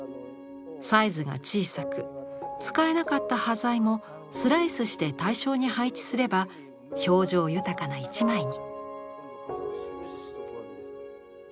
サイズが小さく使えなかった端材もスライスして対称に配置すれば表情豊かな一枚に。